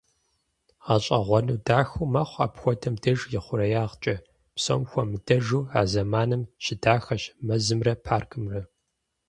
Гъащӏэгъуэну дахэ мэхъу апхуэдэм деж ихъуреягъкӏэ, псом хуэмыдэжу, а зэманым щыдахэщ мэзымрэ паркымрэ.